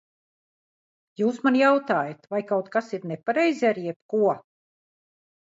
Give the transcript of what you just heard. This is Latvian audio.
Jūs man jautājat, vai kaut kas ir nepareizi ar jebko?